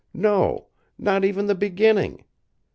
No, not even the beginning!